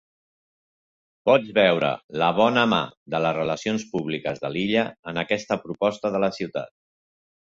Pots veure la bona mà de les relacions públiques de l'illa en aquesta proposta de la ciutat.